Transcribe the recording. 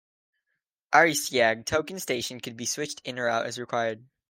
Arisaig token station could be switched in or out as required.